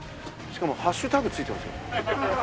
しかもハッシュタグついてますよ。